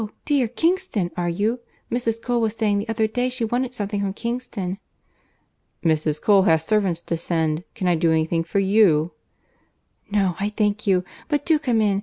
dear, Kingston—are you?—Mrs. Cole was saying the other day she wanted something from Kingston." "Mrs. Cole has servants to send. Can I do any thing for you?" "No, I thank you. But do come in.